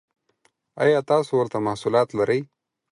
ایا تاسو ورته محصولات لرئ؟